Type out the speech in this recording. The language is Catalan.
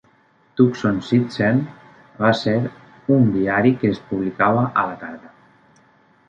"Tucson Citizen": va ser un diari que es publicava a la tarda.